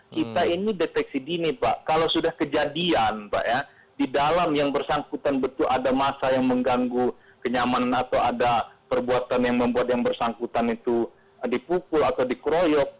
kita ini deteksi dini pak kalau sudah kejadian pak ya di dalam yang bersangkutan betul ada masa yang mengganggu kenyamanan atau ada perbuatan yang membuat yang bersangkutan itu dipukul atau dikeroyok